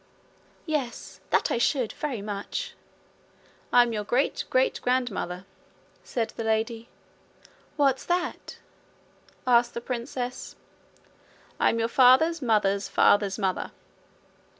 'Yes, that I should very much.' 'I'm your great great grandmother,' said the lady. 'What's that?' asked the princess. 'I'm your father's mother's father's mother.'